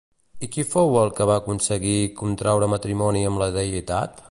I qui fou el que va aconseguir contraure matrimoni amb la deïtat?